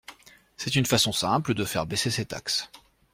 C’est une façon simple de faire baisser ses taxes.